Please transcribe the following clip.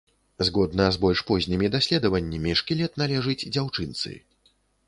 Згодна з больш познімі даследаваннямі, шкілет належыць дзяўчынцы.